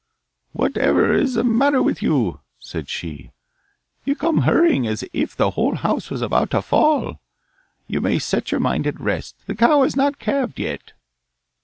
'Whatever is the matter with you?' said she. 'You come hurrying as if the whole house was about to fall. You may set your mind at rest: the cow has not calved yet.